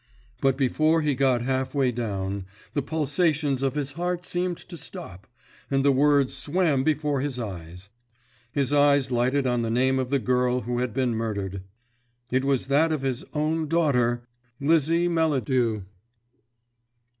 But before he had got half way down the pulsations of his heart seemed to stop, and the words swam before his eyes. His eyes lighted on the name of the girl who had been murdered. It was that of his own daughter, Lizzie Melladew!